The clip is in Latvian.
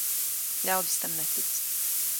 Ļaudis tam netic.